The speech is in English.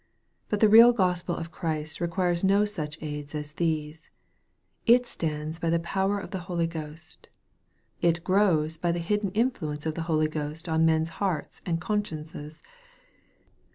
But the real Gospel of Christ requires no such aids as these. It stands by the power of the Holy Ghost. It grows by the hidden influence of the Holy Ghost on men's hearts and consciences.